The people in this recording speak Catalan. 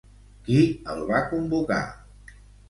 Qui el va convocar?